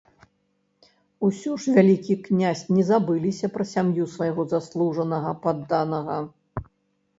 Усё ж вялікі князь не забыліся пра сям'ю свайго заслужанага падданага.